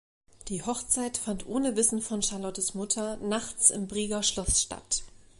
Die Hochzeit fand ohne Wissen von Charlottes Mutter nachts im Brieger Schloss statt.